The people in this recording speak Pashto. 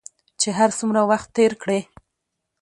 چې هر څومره وخت تېر کړې